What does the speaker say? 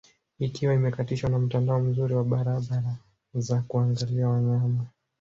Ikiwa imekatishwa na mtandao mzuri wa barabara za kuangalia wanyama